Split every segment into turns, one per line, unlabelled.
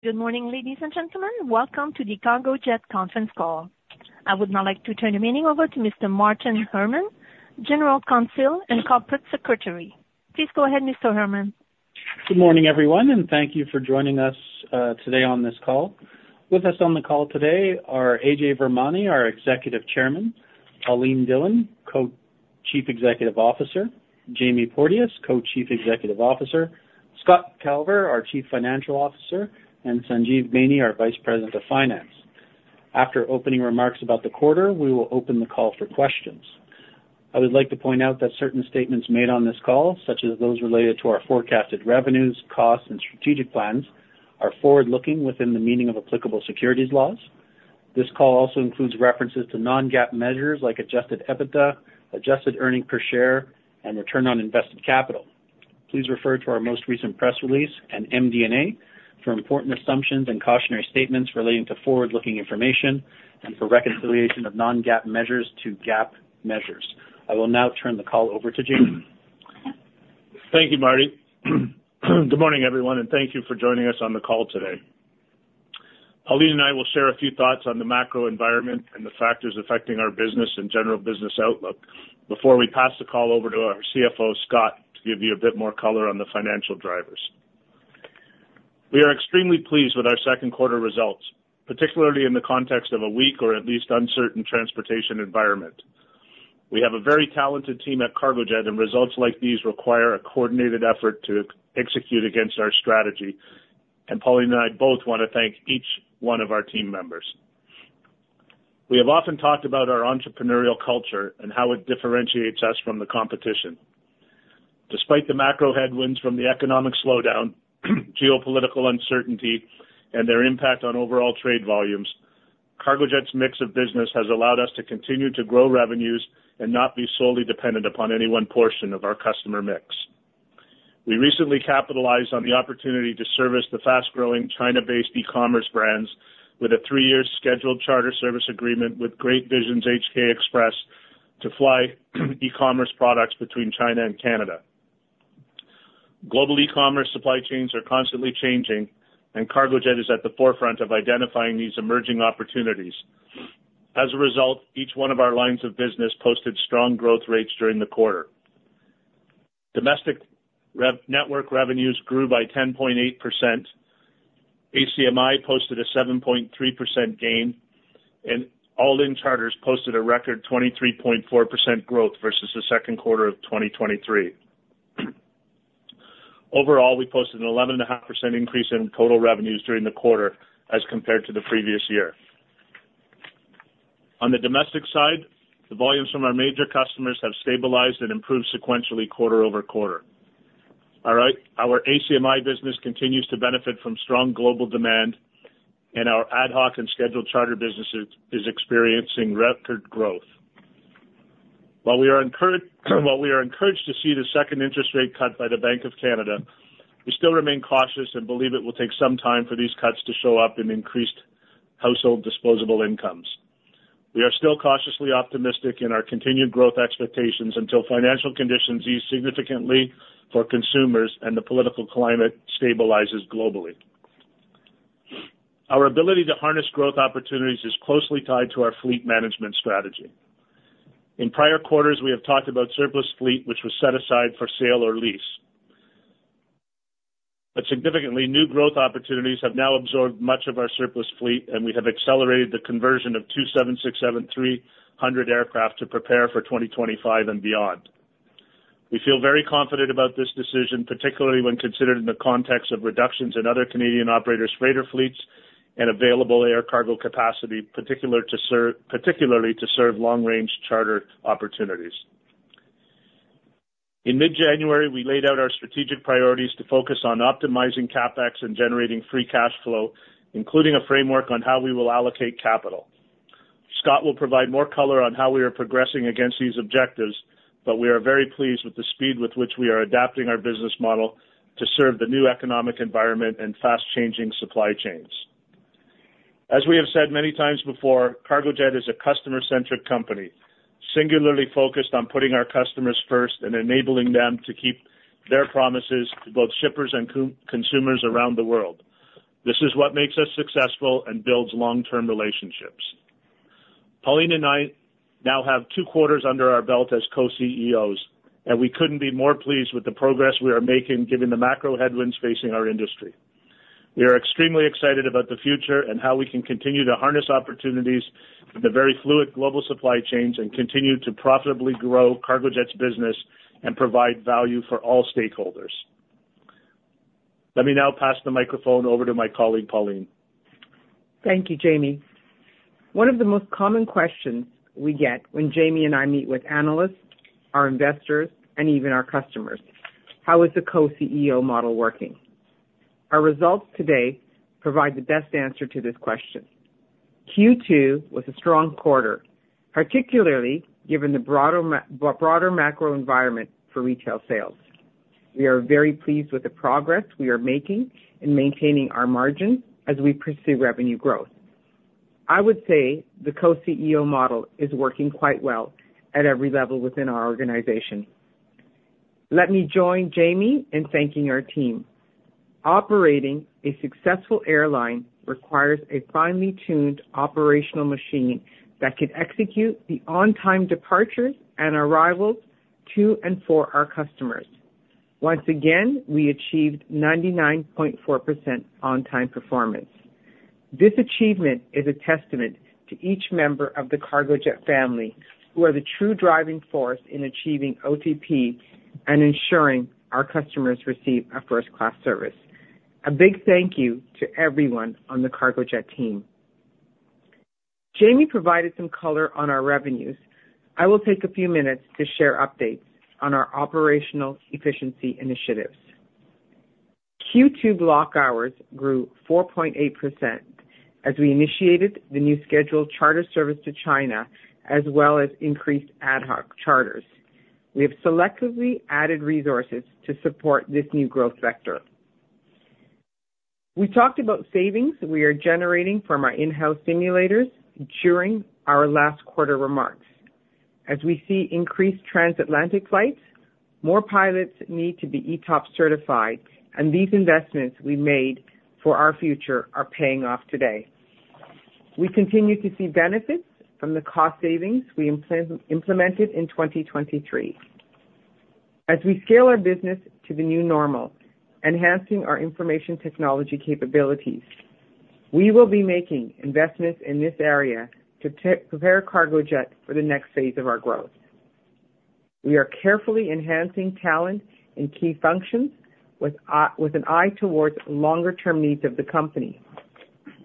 Good morning, ladies and gentlemen. Welcome to the Cargojet Conference Call. I would now like to turn the meeting over to Mr. Martin Herman, General Counsel and Corporate Secretary. Please go ahead, Mr. Herman.
Good morning, everyone, and thank you for joining us today on this call. With us on the call today are Ajay Virmani, our Executive Chairman, Pauline Dhillon, Co-Chief Executive Officer, Jamie Porteous, Co-Chief Executive Officer, Scott Calver, our Chief Financial Officer, and Sanjeev Maini, our Vice President of Finance. After opening remarks about the quarter, we will open the call for questions. I would like to point out that certain statements made on this call, such as those related to our forecasted revenues, costs, and strategic plans, are forward-looking within the meaning of applicable securities laws. This call also includes references to non-GAAP measures like Adjusted EBITDA, Adjusted Earnings Per Share, and Return on Invested Capital. Please refer to our most recent press release and MD&A for important assumptions and cautionary statements relating to forward-looking information and for reconciliation of non-GAAP measures to GAAP measures. I will now turn the call over to Jamie.
Thank you, Marty. Good morning, everyone, and thank you for joining us on the call today. Pauline and I will share a few thoughts on the macro environment and the factors affecting our business and general business outlook before we pass the call over to our CFO, Scott, to give you a bit more color on the financial drivers. We are extremely pleased with our second quarter results, particularly in the context of a weak or at least uncertain transportation environment. We have a very talented team at Cargojet, and results like these require a coordinated effort to execute against our strategy, and Pauline and I both want to thank each one of our team members. We have often talked about our entrepreneurial culture and how it differentiates us from the competition. Despite the macro headwinds from the economic slowdown, geopolitical uncertainty, and their impact on overall trade volumes, Cargojet's mix of business has allowed us to continue to grow revenues and not be solely dependent upon any one portion of our customer mix. We recently capitalized on the opportunity to service the fast-growing China-based e-commerce brands with a three-year scheduled charter service agreement with Great Vision HK Express to fly e-commerce products between China and Canada. Global e-commerce supply chains are constantly changing, and Cargojet is at the forefront of identifying these emerging opportunities. As a result, each one of our lines of business posted strong growth rates during the quarter. Domestic network revenues grew by 10.8%, ACMI posted a 7.3%, gain, and all-in charters posted a record 23.4%, growth versus the second quarter of 2023. Overall, we posted an 11.5% increase in total revenues during the quarter as compared to the previous year. On the domestic side, the volumes from our major customers have stabilized and improved sequentially quarter-over-quarter. All right? Our ACMI business continues to benefit from strong global demand, and our ad hoc and scheduled charter businesses is experiencing record growth. While we are encouraged to see the second interest rate cut by the Bank of Canada, we still remain cautious and believe it will take some time for these cuts to show up in increased household disposable incomes. We are still cautiously optimistic in our continued growth expectations until financial conditions ease significantly for consumers and the political climate stabilizes globally. Our ability to harness growth opportunities is closely tied to our fleet management strategy. In prior quarters, we have talked about surplus fleet, which was set aside for sale or lease. But significantly, new growth opportunities have now absorbed much of our surplus fleet, and we have accelerated the conversion of two 767-300 aircraft to prepare for 2025 and beyond. We feel very confident about this decision, particularly when considered in the context of reductions in other Canadian operators' freighter fleets and available air cargo capacity, particularly to serve long-range charter opportunities. In mid-January, we laid out our strategic priorities to focus on optimizing CapEx and generating free cash flow, including a framework on how we will allocate capital. Scott will provide more color on how we are progressing against these objectives, but we are very pleased with the speed with which we are adapting our business model to serve the new economic environment and fast-changing supply chains. As we have said many times before, Cargojet is a customer-centric company, singularly focused on putting our customers first and enabling them to keep their promises to both shippers and end-consumers around the world. This is what makes us successful and builds long-term relationships. Pauline and I now have two quarters under our belt as co-CEOs, and we couldn't be more pleased with the progress we are making, given the macro headwinds facing our industry. We are extremely excited about the future and how we can continue to harness opportunities with the very fluid global supply chains and continue to profitably grow Cargojet's business and provide value for all stakeholders. Let me now pass the microphone over to my colleague, Pauline.
Thank you, Jamie. One of the most common questions we get when Jamie and I meet with analysts, our investors, and even our customers: How is the co-CEO model working? Our results today provide the best answer to this question. Q2 was a strong quarter, particularly given the broader macro environment for retail sales. We are very pleased with the progress we are making in maintaining our margins as we pursue revenue growth. I would say the co-CEO model is working quite well at every level within our organization.... Let me join Jamie in thanking our team. Operating a successful airline requires a finely tuned operational machine that can execute the on-time departures and arrivals to and for our customers. Once again, we achieved 99.4%, on-time performance. This achievement is a testament to each member of the Cargojet family, who are the true driving force in achieving OTP and ensuring our customers receive a first-class service. A big thank you to everyone on the Cargojet team. Jamie provided some color on our revenues. I will take a few minutes to share updates on our operational efficiency initiatives. Q2 block hours grew 4.8%, as we initiated the new scheduled charter service to China, as well as increased ad hoc charters. We have selectively added resources to support this new growth vector. We talked about savings that we are generating from our in-house simulators during our last quarter remarks. As we see increased transatlantic flights, more pilots need to be ETOPS certified, and these investments we made for our future are paying off today. We continue to see benefits from the cost savings we implemented in 2023. As we scale our business to the new normal, enhancing our information technology capabilities, we will be making investments in this area to prepare Cargojet for the next phase of our growth. We are carefully enhancing talent in key functions with, with an eye towards longer-term needs of the company.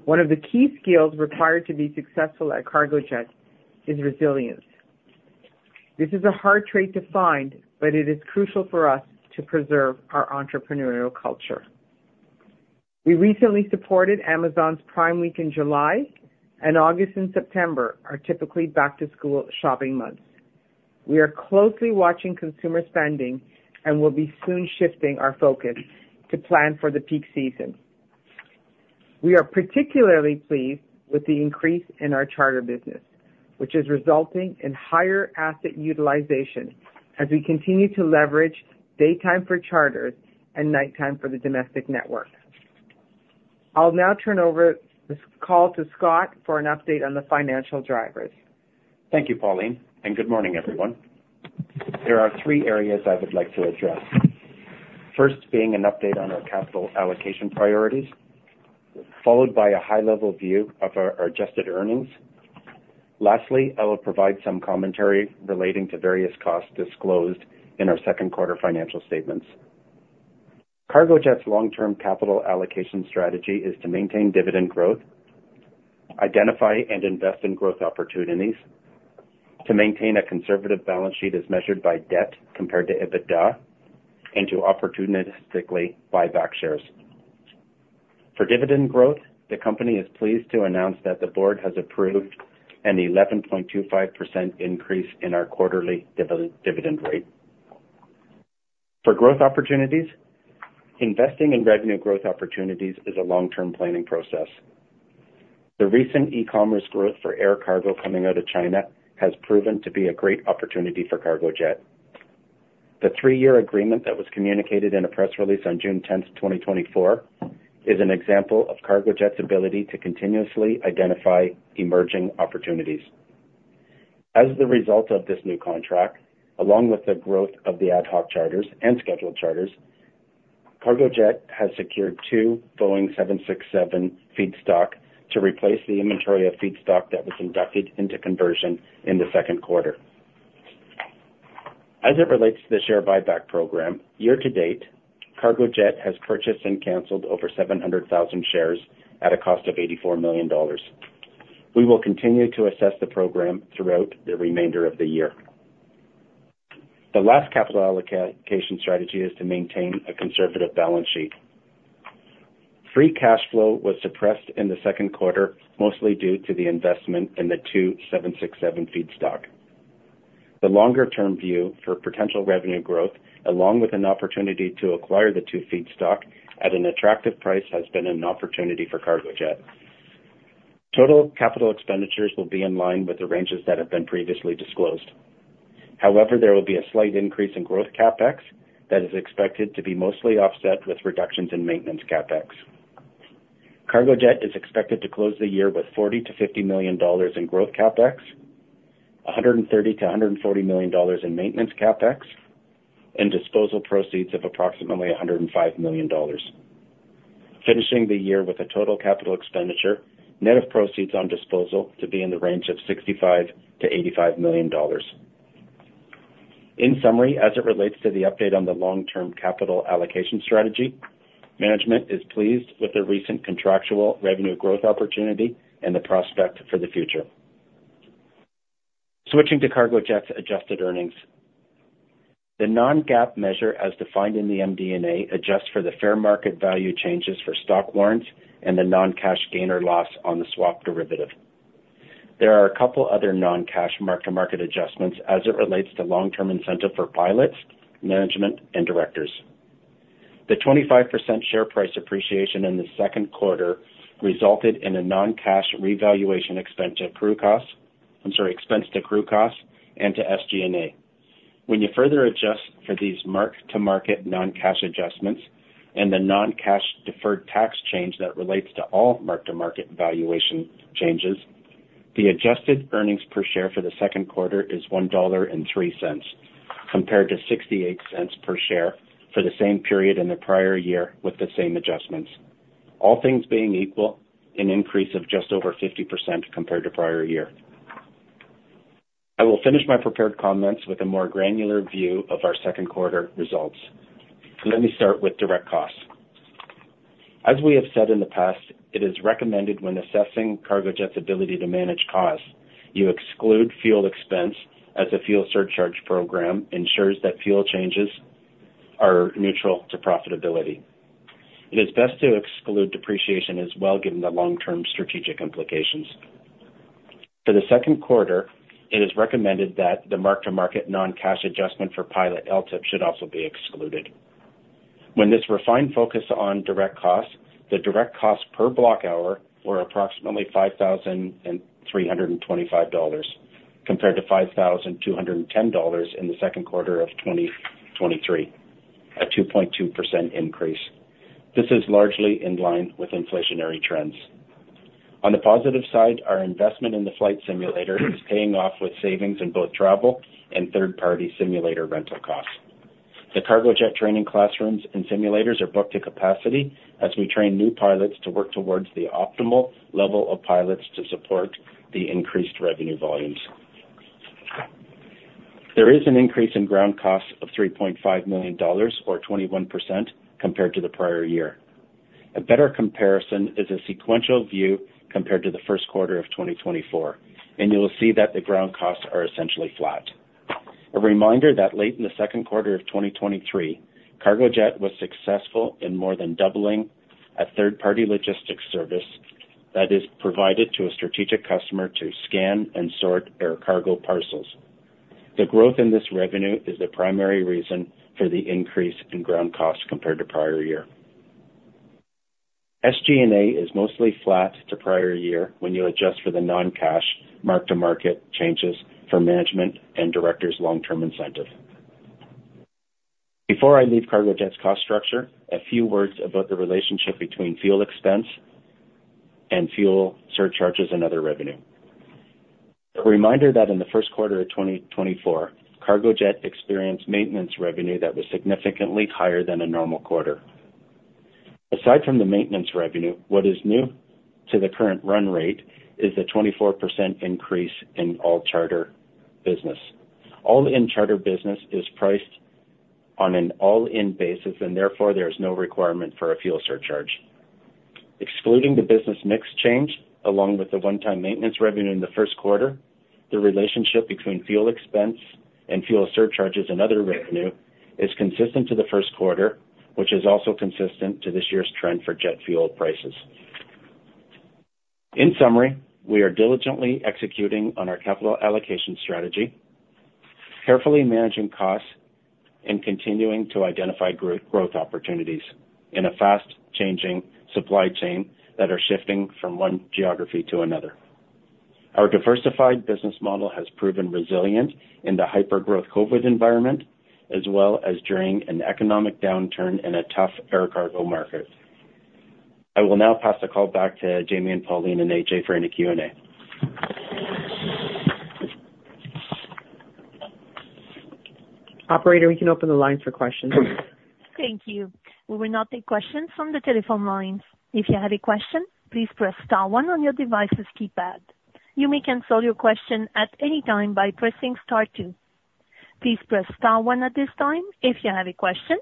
One of the key skills required to be successful at Cargojet is resilience. This is a hard trait to find, but it is crucial for us to preserve our entrepreneurial culture. We recently supported Amazon's Prime Week in July, and August and September are typically back-to-school shopping months. We are closely watching consumer spending and will be soon shifting our focus to plan for the peak season. We are particularly pleased with the increase in our charter business, which is resulting in higher asset utilization as we continue to leverage daytime for charters and nighttime for the domestic network. I'll now turn over this call to Scott for an update on the financial drivers.
Thank you, Pauline, and good morning, everyone. There are three areas I would like to address. First, being an update on our capital allocation priorities, followed by a high-level view of our adjusted earnings. Lastly, I will provide some commentary relating to various costs disclosed in our second quarter financial statements. Cargojet's long-term capital allocation strategy is to maintain dividend growth, identify and invest in growth opportunities, to maintain a conservative balance sheet as measured by debt compared to EBITDA, and to opportunistically buy back shares. For dividend growth, the company is pleased to announce that the board has approved an 11.25%, increase in our quarterly dividend rate. For growth opportunities, investing in revenue growth opportunities is a long-term planning process. The recent e-commerce growth for air cargo coming out of China has proven to be a great opportunity for Cargojet. The 3-year agreement that was communicated in a press release on June tenth, 2024, is an example of Cargojet's ability to continuously identify emerging opportunities. As the result of this new contract, along with the growth of the ad hoc charters and scheduled charters, Cargojet has secured two Boeing 767 feedstock to replace the inventory of feedstock that was inducted into conversion in the second quarter. As it relates to the share buyback program, year to date, Cargojet has purchased and canceled over 700,000 shares at a cost of 84 million dollars. We will continue to assess the program throughout the remainder of the year. The last capital allocation strategy is to maintain a conservative balance sheet. Free cash flow was suppressed in the second quarter, mostly due to the investment in the two 767 feedstock. The longer term view for potential revenue growth, along with an opportunity to acquire the two feedstock at an attractive price, has been an opportunity for Cargojet. Total capital expenditures will be in line with the ranges that have been previously disclosed. However, there will be a slight increase in growth CapEx that is expected to be mostly offset with reductions in maintenance CapEx. Cargojet is expected to close the year with 40 million-50 million dollars in growth CapEx, 130 million-140 million dollars in maintenance CapEx, and disposal proceeds of approximately 105 million dollars, finishing the year with a total capital expenditure net of proceeds on disposal to be in the range of 65 million-85 million dollars. In summary, as it relates to the update on the long-term capital allocation strategy, management is pleased with the recent contractual revenue growth opportunity and the prospect for the future. Switching to Cargojet's adjusted earnings. The non-GAAP measure, as defined in the MD&A, adjusts for the fair market value changes for stock warrants and the non-cash gain or loss on the swap derivative. There are a couple other non-cash mark-to-market adjustments as it relates to long-term incentive for pilots, management, and directors. The 25%, share price appreciation in the second quarter resulted in a non-cash revaluation expense to crew costs, I'm sorry, expense to crew costs and to SG&A. When you further adjust for these mark-to-market non-cash adjustments and the non-cash deferred tax change that relates to all mark-to-market valuation changes, the adjusted earnings per share for the second quarter is 1.03 dollar, compared to 0.68 per share for the same period in the prior year with the same adjustments. All things being equal, an increase of just over 50%, compared to prior year. I will finish my prepared comments with a more granular view of our second quarter results. Let me start with direct costs. As we have said in the past, it is recommended when assessing Cargojet's ability to manage costs, you exclude fuel expense, as the fuel surcharge program ensures that fuel changes are neutral to profitability. It is best to exclude depreciation as well, given the long-term strategic implications. For the second quarter, it is recommended that the mark-to-market non-cash adjustment for pilot LTIP should also be excluded. When this refined focus on direct costs, the direct costs per block hour were approximately 5,325 dollars, compared to 5,210 dollars in the second quarter of 2023, a 2.2% increase. This is largely in line with inflationary trends. On the positive side, our investment in the flight simulator is paying off with savings in both travel and third-party simulator rental costs. The Cargojet training classrooms and simulators are booked to capacity as we train new pilots to work towards the optimal level of pilots to support the increased revenue volumes. There is an increase in ground costs of 3.5 million dollars, or 21%, compared to the prior year. A better comparison is a sequential view compared to the first quarter of 2024, and you will see that the ground costs are essentially flat. A reminder that late in the second quarter of 2023, Cargojet was successful in more than doubling a third-party logistics service that is provided to a strategic customer to scan and sort air cargo parcels. The growth in this revenue is the primary reason for the increase in ground costs compared to prior year. SG&A is mostly flat to prior year when you adjust for the non-cash mark-to-market changes for management and directors' long-term incentive. Before I leave Cargojet's cost structure, a few words about the relationship between fuel expense and fuel surcharges and other revenue. A reminder that in the first quarter of 2024, Cargojet experienced maintenance revenue that was significantly higher than a normal quarter. Aside from the maintenance revenue, what is new to the current run rate is a 24%, increase in all charter business. All in charter business is priced on an all-in basis, and therefore there is no requirement for a fuel surcharge. Excluding the business mix change, along with the one-time maintenance revenue in the first quarter, the relationship between fuel expense and fuel surcharges and other revenue is consistent to the first quarter, which is also consistent to this year's trend for jet fuel prices. In summary, we are diligently executing on our capital allocation strategy, carefully managing costs, and continuing to identify growth opportunities in a fast-changing supply chain that are shifting from one geography to another. Our diversified business model has proven resilient in the hyper-growth COVID environment, as well as during an economic downturn in a tough air cargo market. I will now pass the call back to Jamie and Pauline and AJ for any Q&A.
Operator, we can open the line for questions.
Thank you. We will now take questions from the telephone lines. If you have a question, please press star one on your device's keypad. You may cancel your question at any time by pressing star two. Please press star one at this time if you have a question.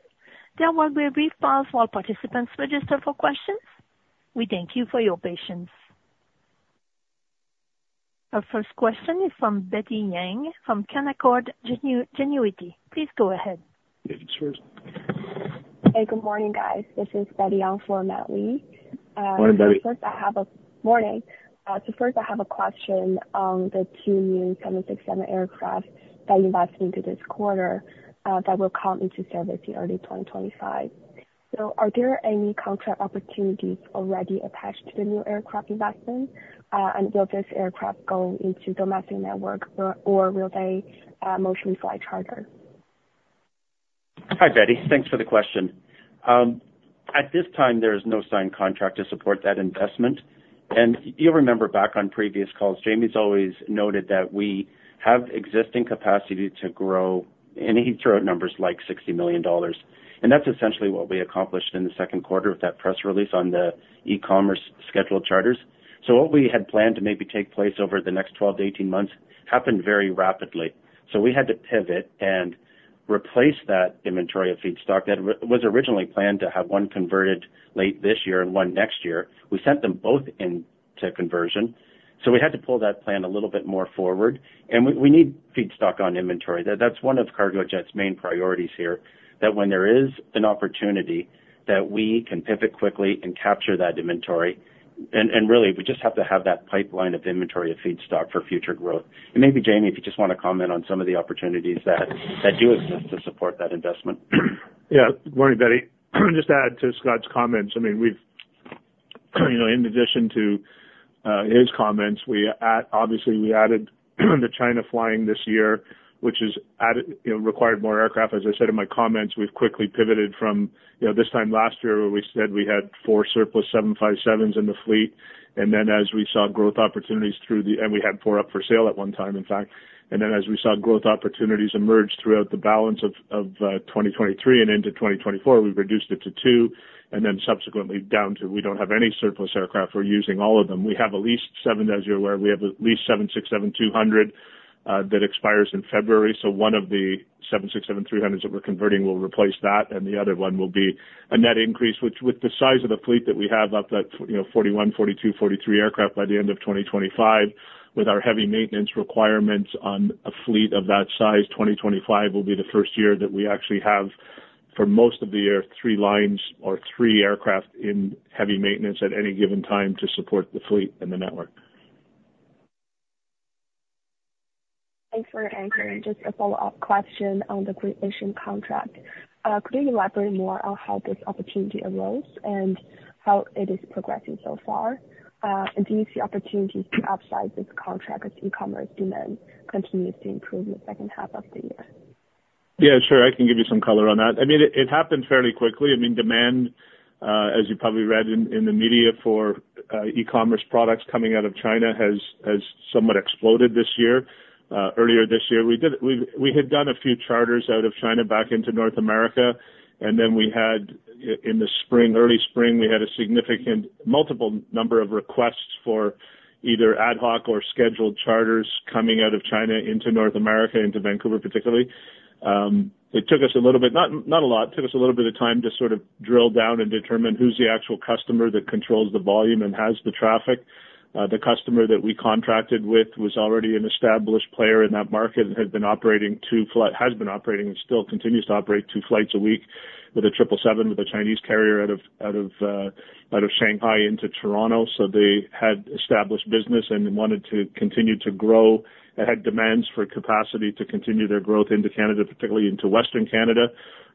There will be a brief pause for all participants registered for questions. We thank you for your patience. Our first question is from Betty Jiang from Canaccord Genuity. Please go ahead.
Yeah, sure.
Hey, good morning, guys. This is Betty Jiang for Matt Lee.
Morning, Betty.
Morning. First, I have a question on the two new 767 aircraft that you invested into this quarter, that will come into service in early 2025. So are there any contract opportunities already attached to the new aircraft investment? And will this aircraft go into domestic network or will they mostly fly charter?
Hi, Betty. Thanks for the question. At this time, there is no signed contract to support that investment. And you'll remember back on previous calls, Jamie's always noted that we have existing capacity to grow, and he'd throw out numbers like 60 million dollars. And that's essentially what we accomplished in the second quarter with that press release on the e-commerce scheduled charters. So what we had planned to maybe take place over the next 12-18 months happened very rapidly. So we had to pivot and replace that inventory of feedstock that was originally planned to have one converted late this year and one next year. We sent them both into conversion, so we had to pull that plan a little bit more forward. And we need feedstock on inventory. That's one of Cargojet's main priorities here, that when there is an opportunity, that we can pivot quickly and capture that inventory.... And really, we just have to have that pipeline of inventory of feedstock for future growth. And maybe, Jamie, if you just want to comment on some of the opportunities that do exist to support that investment.
Yeah. Good morning, Betty. Just to add to Scott's comments, I mean, we've, you know, in addition to, his comments, obviously, we added the China flying this year, which has required more aircraft. As I said in my comments, we've quickly pivoted from, you know, this time last year, where we said we had four surplus 757s in the fleet, and then as we saw growth opportunities through the... and we had four up for sale at one time, in fact. And then as we saw growth opportunities emerge throughout the balance of 2023 and into 2024, we've reduced it to two, and then subsequently down to we don't have any surplus aircraft. We're using all of them. We have at least seven, as you're aware, we have at least seven 767-200, that expires in February. So one of the 767-300s that we're converting will replace that, and the other one will be a net increase, which with the size of the fleet that we have, up to, you know, 41, 42, 43 aircraft by the end of 2025, with our heavy maintenance requirements on a fleet of that size, 2025 will be the first year that we actually have, for most of the year, three lines or three aircraft in heavy maintenance at any given time to support the fleet and the network.
Thanks for answering. Just a follow-up question on the completion contract. Could you elaborate more on how this opportunity arose and how it is progressing so far? And do you see opportunities to upside this contract as e-commerce demand continues to improve in the second half of the year?
Yeah, sure. I can give you some color on that. I mean, it, it happened fairly quickly. I mean, demand, as you probably read in, in the media for e-commerce products coming out of China has somewhat exploded this year. Earlier this year, we had done a few charters out of China back into North America, and then we had, in the spring, early spring, we had a significant multiple number of requests for either ad hoc or scheduled charters coming out of China into North America, into Vancouver, particularly. It took us a little bit, not, not a lot, took us a little bit of time to sort of drill down and determine who's the actual customer that controls the volume and has the traffic. The customer that we contracted with was already an established player in that market and has been operating and still continues to operate two flights a week with a triple seven, with a Chinese carrier, out of Shanghai into Toronto. So they had established business and wanted to continue to grow. It had demands for capacity to continue their growth into Canada, particularly into Western Canada.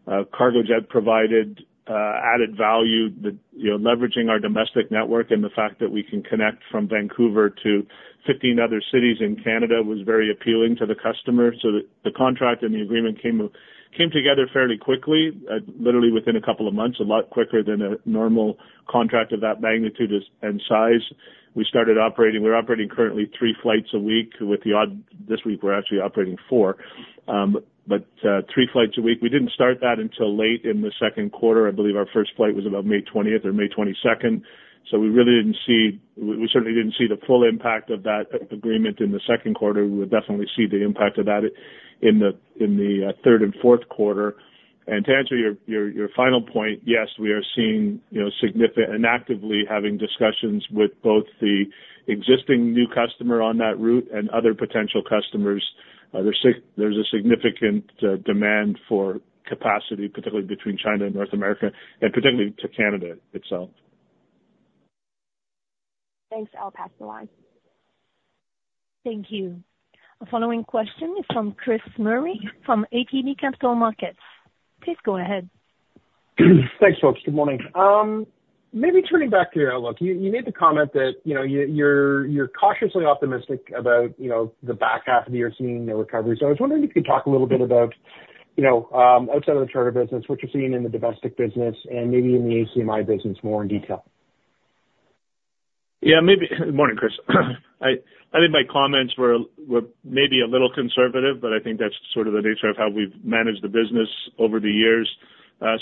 Cargojet provided added value, you know, leveraging our domestic network and the fact that we can connect from Vancouver to 15 other cities in Canada was very appealing to the customer. So the contract and the agreement came together fairly quickly, literally within a couple of months, a lot quicker than a normal contract of that magnitude is and size. We started operating... We're operating currently 3 flights a week with the odd, this week, we're actually operating 4. But 3 flights a week. We didn't start that until late in the second quarter. I believe our first flight was about May twentieth or May twenty-second. So we really didn't see, we certainly didn't see the full impact of that agreement in the second quarter. We would definitely see the impact of that in the third and fourth quarter. And to answer your final point, yes, we are seeing, you know, significant and actively having discussions with both the existing new customer on that route and other potential customers. There's a significant demand for capacity, particularly between China and North America, and particularly to Canada itself.
Thanks. I'll pass the line.
Thank you. The following question is from Chris Murray, from ATB Capital Markets. Please go ahead.
Thanks, folks. Good morning. Maybe turning back to your outlook, you made the comment that, you know, you're cautiously optimistic about, you know, the back half of the year, seeing the recovery. So I was wondering if you could talk a little bit about, you know, outside of the charter business, what you're seeing in the domestic business and maybe in the ACMI business more in detail?
Yeah, maybe... Morning, Chris. I think my comments were maybe a little conservative, but I think that's sort of the nature of how we've managed the business over the years.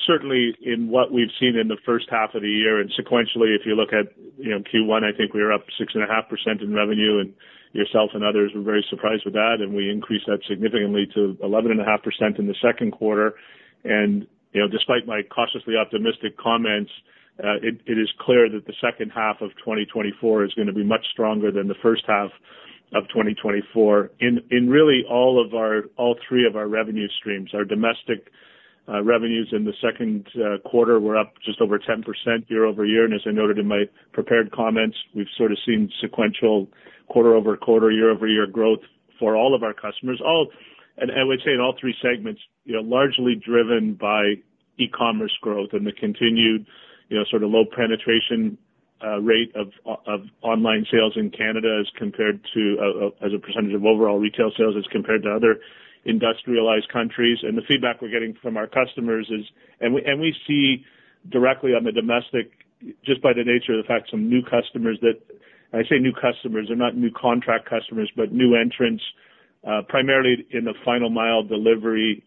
Certainly in what we've seen in the first half of the year, and sequentially, if you look at, you know, Q1, I think we were up 6.5% in revenue, and yourself and others were very surprised with that, and we increased that significantly to 11.5%, in the second quarter. And, you know, despite my cautiously optimistic comments, it is clear that the second half of 2024 is gonna be much stronger than the first half of 2024. In really all three of our revenue streams, our domestic revenues in the second quarter were up just over 10%, year-over-year. And as I noted in my prepared comments, we've sort of seen sequential quarter-over-quarter, year-over-year growth for all of our customers. And I would say in all three segments, you know, largely driven by e-commerce growth and the continued, you know, sort of low penetration rate of online sales in Canada as compared to as a percentage of overall retail sales, as compared to other industrialized countries. And the feedback we're getting from our customers is... We see directly on the domestic, just by the nature of the fact, some new customers that, I say new customers, they're not new contract customers, but new entrants, primarily in the final mile delivery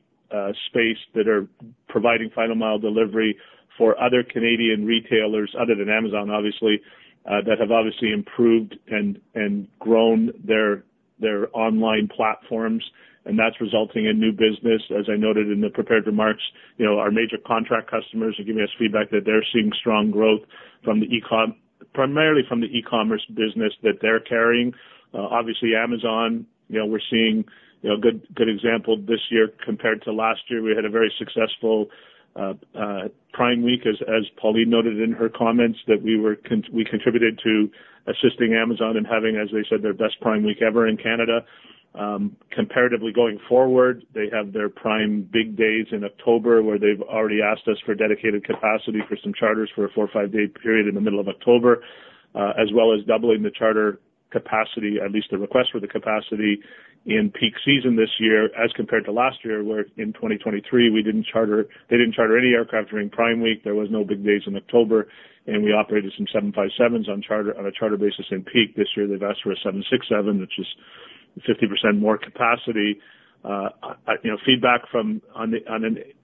space, that are providing final mile delivery for other Canadian retailers, other than Amazon, obviously, that have obviously improved and grown their online platforms, and that's resulting in new business. As I noted in the prepared remarks, you know, our major contract customers are giving us feedback that they're seeing strong growth from the e-commerce business that they're carrying. Obviously, Amazon, you know, we're seeing a good example this year compared to last year. We had a very successful... Prime week, as Pauline noted in her comments, we contributed to assisting Amazon and having, as they said, their best Prime week ever in Canada. Comparatively, going forward, they have their Prime Big days in October, where they've already asked us for dedicated capacity for some charters for a 4 or 5-day period in the middle of October, as well as doubling the charter capacity, at least the request for the capacity, in peak season this year as compared to last year, where in 2023, they didn't charter any aircraft during Prime week. There was no big days in October, and we operated some 757s on a charter basis in peak. This year, they've asked for a 767, which is 50% more capacity. You know, feedback from on the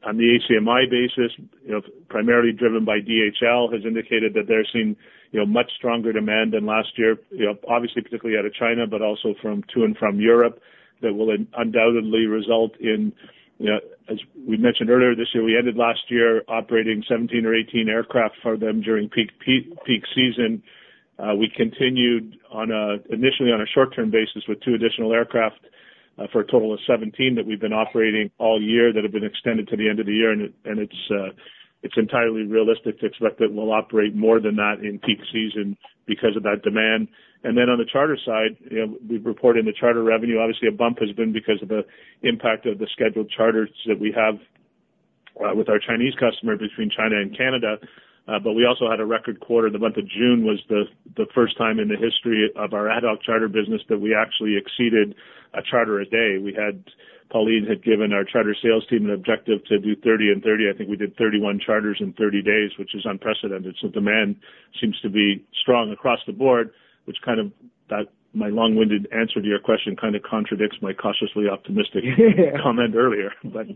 ACMI basis, you know, primarily driven by DHL, has indicated that they're seeing, you know, much stronger demand than last year. You know, obviously, particularly out of China, but also to and from Europe. That will undoubtedly result in, you know, as we mentioned earlier this year, we ended last year operating 17 or 18 aircraft for them during peak season. We continued initially on a short-term basis with 2 additional aircraft, for a total of 17 that we've been operating all year, that have been extended to the end of the year. And it's entirely realistic to expect that we'll operate more than that in peak season because of that demand. And then on the charter side, you know, we've reported in the charter revenue. Obviously, a bump has been because of the impact of the scheduled charters that we have with our Chinese customer between China and Canada. But we also had a record quarter. The month of June was the first time in the history of our ad hoc charter business that we actually exceeded a charter a day. Pauline had given our charter sales team an objective to do 30 in 30. I think we did 31 charters in 30 days, which is unprecedented. So demand seems to be strong across the board, which kind of, that, my long-winded answer to your question kind of contradicts my cautiously optimistic comment earlier, but.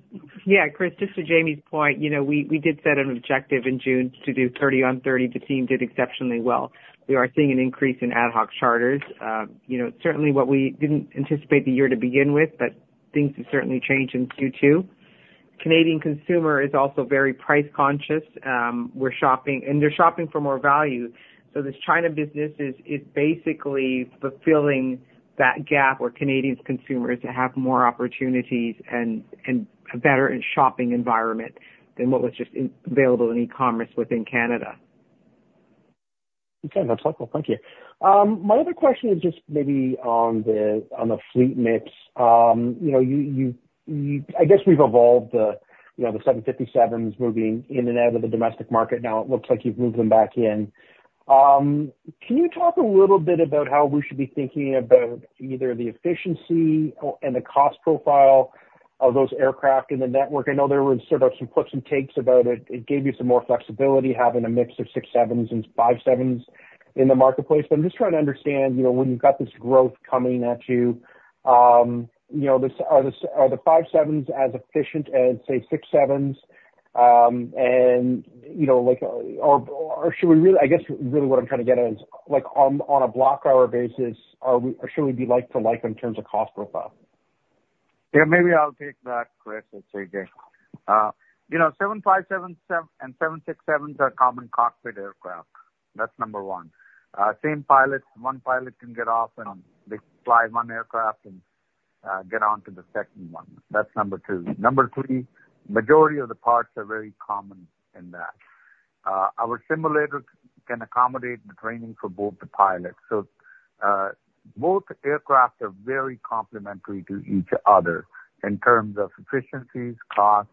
Yeah, Chris, just to Jamie's point, you know, we did set an objective in June to do 30 on 30. The team did exceptionally well. We are seeing an increase in ad hoc charters. You know, certainly what we didn't anticipate the year to begin with, but things have certainly changed in Q2. Canadian consumer is also very price conscious. We're shopping, and they're shopping for more value. So this China business is basically fulfilling that gap for Canadian consumers to have more opportunities and a better shopping environment than what was just available in e-commerce within Canada.
Okay, that's helpful. Thank you. My other question is just maybe on the, on the fleet mix. You know, I guess we've evolved the, you know, the 757s moving in and out of the domestic market. Now, it looks like you've moved them back in. Can you talk a little bit about how we should be thinking about either the efficiency or, and the cost profile of those aircraft in the network? I know there was sort of some puts and takes about it. It gave you some more flexibility, having a mix of 767s and 757s in the marketplace. But I'm just trying to understand, you know, when you've got this growth coming at you, you know, this, are the 757s as efficient as, say, 767s? And, you know, like, or should we really—I guess, really what I'm trying to get at is, like, on a block hour basis, are we—should we be like to like in terms of cost profile?
Yeah, maybe I'll take that, Chris, let's say again. You know, 757, 777 and 767s are common cockpit aircraft. That's number one. Same pilot, one pilot can get off and they fly one aircraft and get on to the second one. That's number two. Number three, majority of the parts are very common in that. Our simulators can accommodate the training for both the pilots. So, both aircraft are very complementary to each other in terms of efficiencies, costs.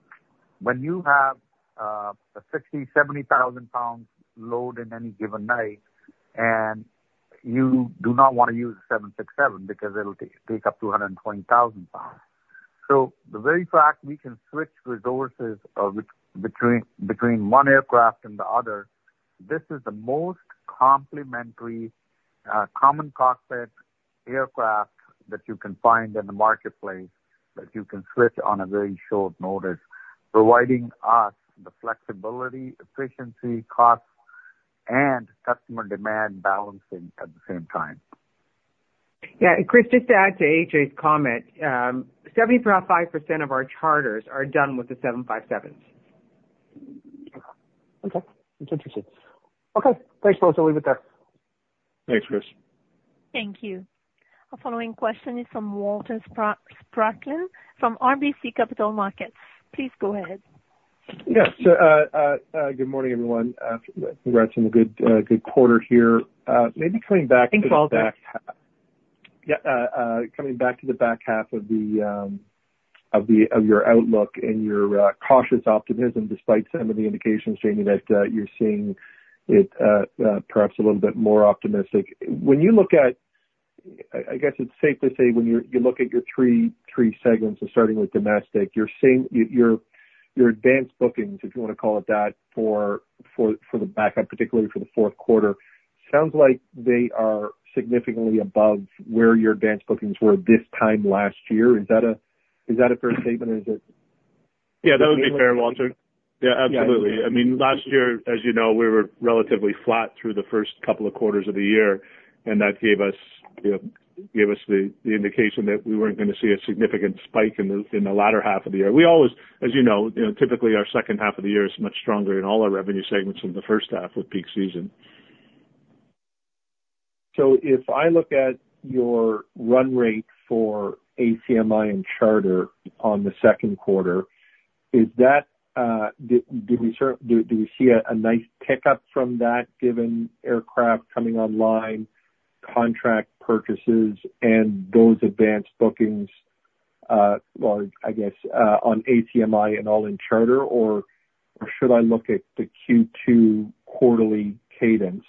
When you have a 60-70 thousand pounds load in any given night, and you do not wanna use a 767 because it'll take up to 120,000 pounds. The very fact we can switch resources between one aircraft and the other. This is the most complementary common cockpit aircraft that you can find in the marketplace, that you can switch on a very short notice, providing us the flexibility, efficiency, cost, and customer demand balancing at the same time.
Yeah, and Chris, just to add to AJ's comment, 75%, of our charters are done with the 757s.
Okay. That's interesting. Okay, thanks, folks. I'll leave it there.
Thanks, Chris.
Thank you. Our following question is from Walter Spracklin from RBC Capital Markets. Please go ahead.
Yes, good morning, everyone. Congrats on a good, good quarter here. Maybe coming back-
Thanks, Walter.
Yeah, coming back to the back half of your outlook and your cautious optimism, despite some of the indications, Jamie, that you're seeing it perhaps a little bit more optimistic. When you look at... I guess it's safe to say, when you look at your three segments and starting with domestic, you're seeing your advanced bookings, if you wanna call it that, for the back half, particularly for the fourth quarter, sounds like they are significantly above where your advanced bookings were this time last year. Is that a fair statement or is it?
Yeah, that would be fair, Walter. Yeah, absolutely. I mean, last year, as you know, we were relatively flat through the first couple of quarters of the year, and that gave us, you know, gave us the indication that we weren't gonna see a significant spike in the latter half of the year. We always, as you know, you know, typically our second half of the year is much stronger in all our revenue segments than the first half with peak season.
So if I look at your run rate for ACMI and charter on the second quarter, is that do we see a nice pickup from that given aircraft coming online, contract purchases, and those advanced bookings, well, I guess, on ACMI and all-in charter, or should I look at the Q2 quarterly cadence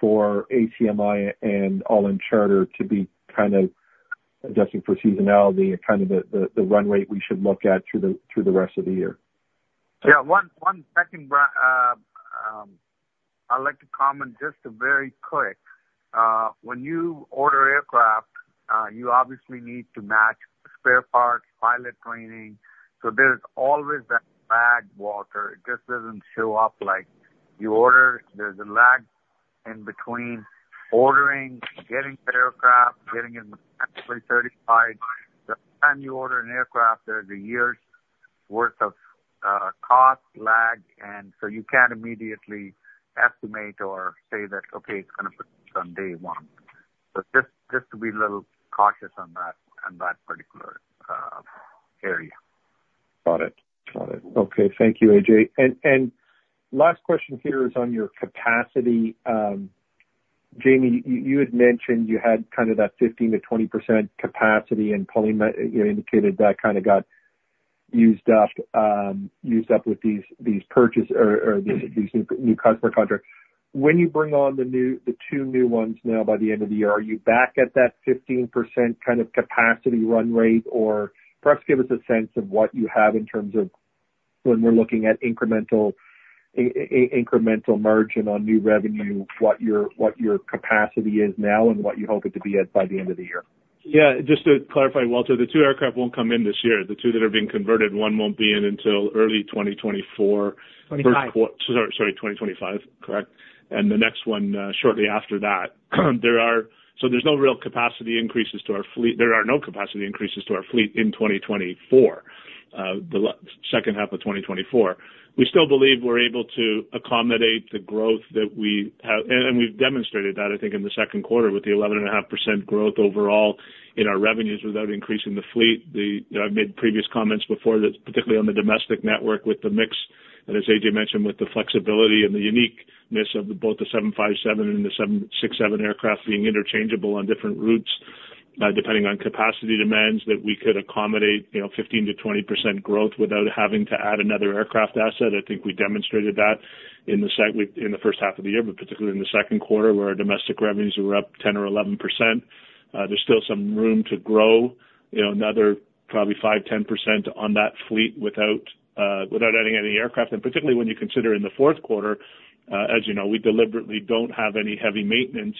for ACMI and all-in charter to be kind of adjusting for seasonality and kind of the run rate we should look at through the rest of the year?
Yeah. One second, Bra, I'd like to comment just very quick. When you order aircraft, you obviously need to match spare parts, pilot training, so there's always that lag, Walter. It just doesn't show up like you order. There's a lag in between ordering, getting the aircraft, getting it certified. The time you order an aircraft, there's a year's worth of cost lag, and so you can't immediately estimate or say that, "Okay, it's gonna put on day one." So just to be a little cautious on that, on that particular area.
Got it. Got it. Okay. Thank you, Ajay. And, and last question here is on your capacity. Jamie, you had mentioned you had kind of that 15%-20% capacity, and Pauline, you indicated that kind of got used up with these new customer contracts. When you bring on the two new ones now by the end of the year, are you back at that 15%, kind of capacity run rate, or perhaps give us a sense of what you have in terms of when we're looking at incremental margin on new revenue, what your capacity is now and what you hope it to be at by the end of the year?
Yeah, just to clarify, Walter, the two aircraft won't come in this year. The two that are being converted, one won't be in until early 2024.
Twenty-five.
Sorry, sorry, 2025, correct, and the next one, shortly after that. So there's no real capacity increases to our fleet. There are no capacity increases to our fleet in 2024, the second half of 2024. We still believe we're able to accommodate the growth that we have, and we've demonstrated that, I think, in the second quarter with the 11.5%, growth overall in our revenues without increasing the fleet. I've made previous comments before that, particularly on the domestic network with the mix, and as AJ mentioned, with the flexibility and the uniqueness of both the 757 and the 767 aircraft being interchangeable on different routes, depending on capacity demands, that we could accommodate, you know, 15%-20%, growth without having to add another aircraft asset. I think we demonstrated that in the first half of the year, but particularly in the second quarter, where our domestic revenues were up 10 or 11%. There's still some room to grow, you know, another probably 5, 10% on that fleet without adding any aircraft. And particularly when you consider in the fourth quarter, as you know, we deliberately don't have any heavy maintenance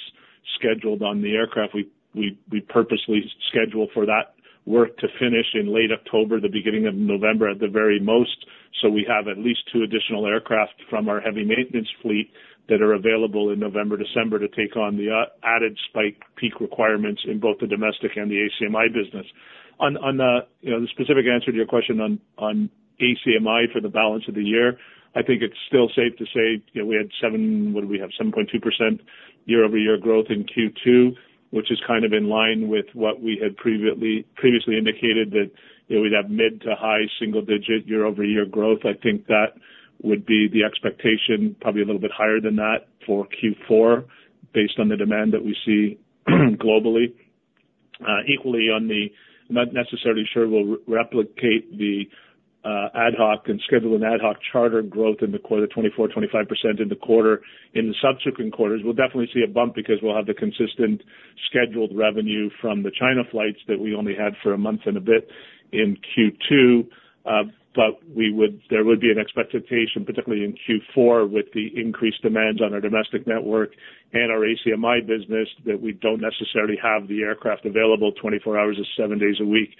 scheduled on the aircraft. We purposely schedule for that work to finish in late October, the beginning of November at the very most, so we have at least two additional aircraft from our heavy maintenance fleet that are available in November, December to take on the added spike peak requirements in both the domestic and the ACMI business. You know, the specific answer to your question on ACMI for the balance of the year, I think it's still safe to say, you know, we had 7.2%, year-over-year growth in Q2, which is kind of in line with what we had previously, previously indicated, that, you know, we'd have mid- to high-single-digit year-over-year growth. I think that would be the expectation, probably a little bit higher than that for Q4, based on the demand that we see globally. Equally, not necessarily sure we'll replicate the ad hoc and scheduled ad hoc charter growth in the quarter, 24%-25% in the quarter. In the subsequent quarters, we'll definitely see a bump because we'll have the consistent scheduled revenue from the China flights that we only had for a month and a bit in Q2. But there would be an expectation, particularly in Q4, with the increased demands on our domestic network and our ACMI business, that we don't necessarily have the aircraft available twenty-four hours and seven days a week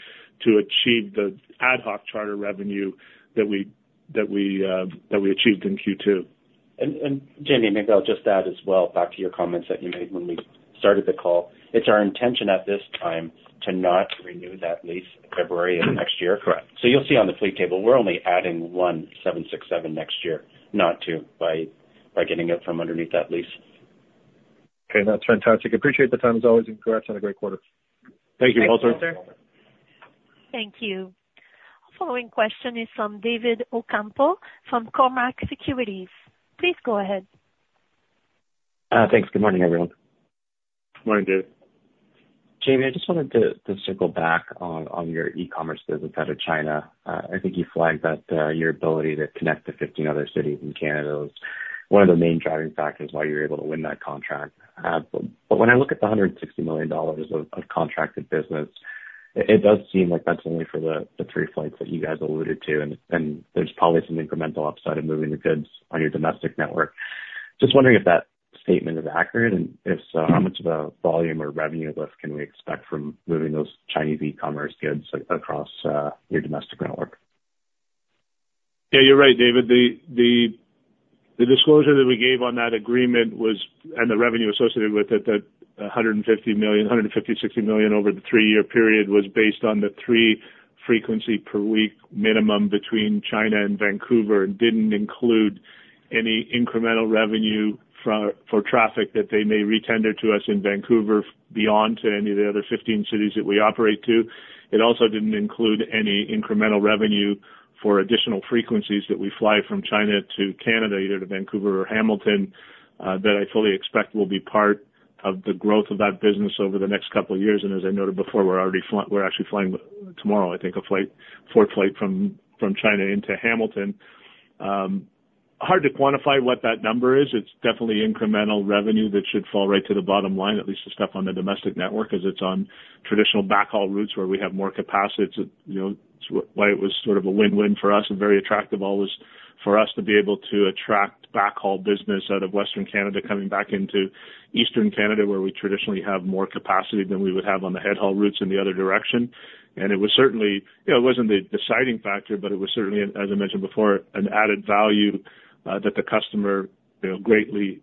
to achieve the ad hoc charter revenue that we, that we, that we achieved in Q2.
Jamie, maybe I'll just add as well, back to your comments that you made when we started the call. It's our intention at this time to not renew that lease in February of next year.
Correct.
So you'll see on the fleet table, we're only adding one 767 next year, not two, by getting it from underneath that lease. Okay, that's fantastic. Appreciate the time, as always, and congrats on a great quarter.
Thank you, Walter.
Thanks, Walter.
Thank you. Following question is from David Ocampo, from Cormark Securities. Please go ahead.
Thanks. Good morning, everyone.
Morning, Dave.
Jamie, I just wanted to circle back on your e-commerce business out of China. I think you flagged that your ability to connect to 15 other cities in Canada was one of the main driving factors why you were able to win that contract. But when I look at the 160 million dollars of contracted business, it does seem like that's only for the 3 flights that you guys alluded to, and there's probably some incremental upside of moving the goods on your domestic network. Just wondering if that statement is accurate, and if so, how much of a volume or revenue lift can we expect from moving those Chinese e-commerce goods across your domestic network?
Yeah, you're right, David. The disclosure that we gave on that agreement was, and the revenue associated with it, that 150 million, 156 million over the three-year period, was based on the three frequency per week minimum between China and Vancouver, and didn't include any incremental revenue for traffic that they may re-tender to us in Vancouver beyond to any of the other 15 cities that we operate to. It also didn't include any incremental revenue for additional frequencies that we fly from China to Canada, either to Vancouver or Hamilton, that I fully expect will be part of the growth of that business over the next couple of years. And as I noted before, we're already flying. We're actually flying tomorrow, I think, a fourth flight from China into Hamilton. Hard to quantify what that number is. It's definitely incremental revenue that should fall right to the bottom line, at least the stuff on the domestic network, as it's on traditional backhaul routes where we have more capacity. It's, you know, why it was sort of a win-win for us and very attractive always for us to be able to attract backhaul business out of Western Canada, coming back into Eastern Canada, where we traditionally have more capacity than we would have on the headhaul routes in the other direction. It was certainly, you know, it wasn't the deciding factor, but it was certainly, as I mentioned before, an added value that the customer, you know, greatly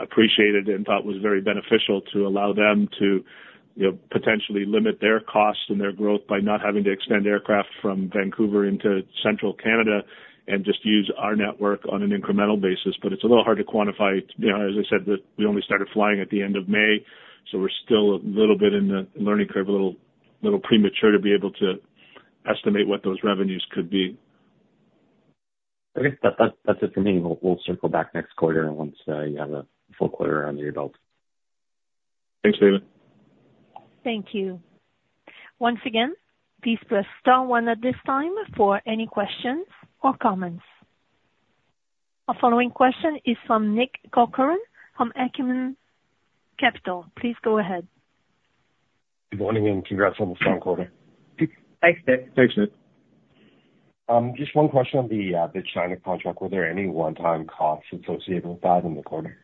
appreciated and thought was very beneficial to allow them to, you know, potentially limit their costs and their growth by not having to extend aircraft from Vancouver into central Canada and just use our network on an incremental basis. But it's a little hard to quantify. You know, as I said, we only started flying at the end of May, so we're still a little bit in the learning curve, a little premature to be able to estimate what those revenues could be.
I think that's it for me. We'll circle back next quarter once you have a full quarter under your belt.
Thanks, David.
Thank you. Once again, please press star one at this time for any questions or comments. Our following question is from Nick Corcoran from Acumen Capital. Please go ahead.
Good morning, and congrats on the strong quarter.
Thanks, Nick.
Thanks, Nick.
Just one question on the, big China contract. Were there any one-time costs associated with that in the quarter?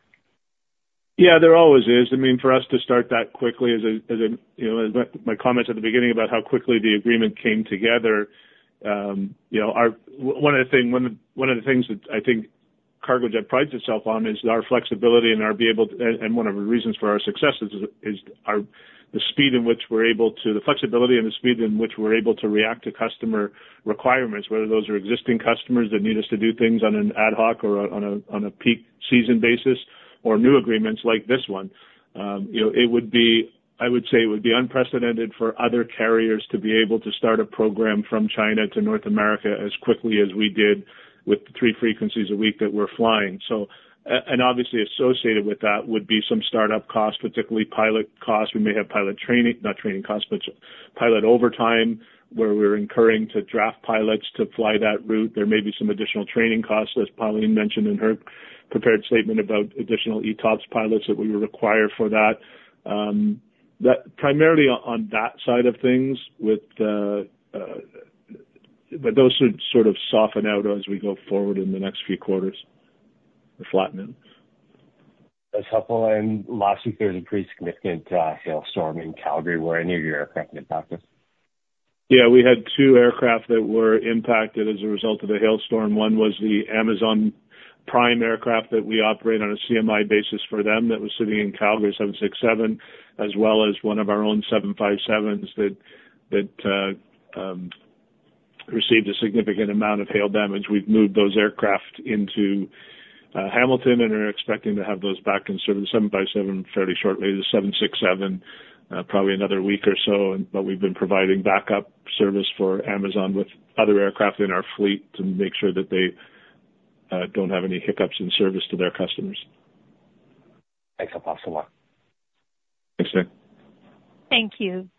Yeah, there always is. I mean, for us to start that quickly, you know, my comments at the beginning about how quickly the agreement came together, you know. One of the things that I think Cargojet prides itself on is our flexibility and our ability to—and one of the reasons for our success is the speed in which we're able to. The flexibility and the speed in which we're able to react to customer requirements, whether those are existing customers that need us to do things on an ad hoc or on a peak season basis or new agreements like this one. You know, it would be, I would say, it would be unprecedented for other carriers to be able to start a program from China to North America as quickly as we did with the 3 frequencies a week that we're flying. So and obviously associated with that would be some start-up costs, particularly pilot costs. We may have pilot training, not training costs, but pilot overtime, where we're incurring to draft pilots to fly that route. There may be some additional training costs, as Pauline mentioned in her prepared statement, about additional ETOPS pilots that we would require for that. That primarily on that side of things with the, but those should sort of soften out as we go forward in the next few quarters or flatten out.
That's helpful. Last week, there was a pretty significant hailstorm in Calgary. Were any of your aircraft impacted?
Yeah, we had two aircraft that were impacted as a result of the hailstorm. One was the Amazon Prime aircraft that we operate on a CMI basis for them that was sitting in Calgary, 767, as well as one of our own 757s that received a significant amount of hail damage. We've moved those aircraft into Hamilton and are expecting to have those back in service, the 757 fairly shortly. The 767 probably another week or so, but we've been providing backup service for Amazon with other aircraft in our fleet to make sure that they don't have any hiccups in service to their customers.
Thanks a lot.
Thanks, Nick.
Thank you.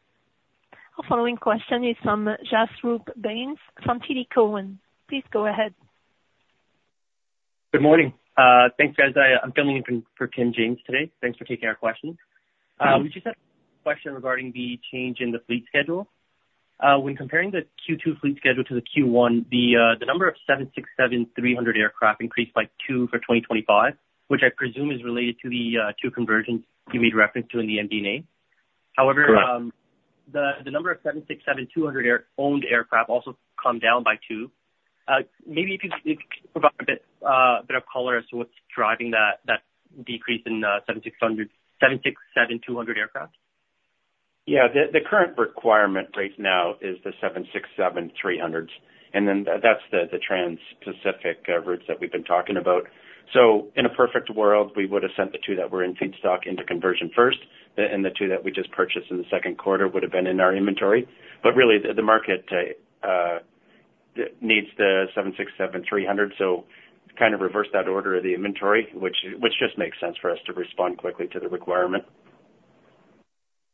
Our following question is from Jasroop Bains from TD Cowen. Please go ahead.
Good morning. Thanks, guys. I'm filling in for Tim James today. Thanks for taking our question. We just have a question regarding the change in the fleet schedule. When comparing the Q2 fleet schedule to the Q1, the number of 767-300 aircraft increased by 2 for 2025, which I presume is related to the 2 conversions you made reference to in the MDA.
Correct.
However, the number of 767-200 owned aircraft also come down by two. Maybe if you could provide a bit of color as to what's driving that decrease in 767... 767-200 aircraft?
Yeah. The current requirement right now is the 767-300s, and then that's the trans-Pacific routes that we've been talking about. So in a perfect world, we would have sent the two that were in feedstock into conversion first, and the two that we just purchased in the second quarter would have been in our inventory. But really, the market needs the 767-300, so kind of reverse that order of the inventory, which just makes sense for us to respond quickly to the requirement.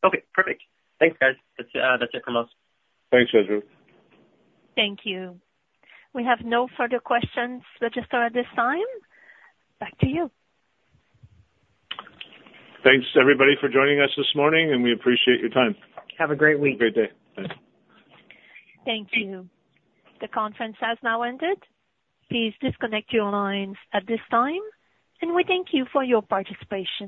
Okay, perfect. Thanks, guys. That's it for us.
Thanks, Jasroop.
Thank you. We have no further questions registered at this time. Back to you.
Thanks, everybody, for joining us this morning, and we appreciate your time.
Have a great week.
Have a great day. Thanks.
Thank you. The conference has now ended. Please disconnect your lines at this time, and we thank you for your participation.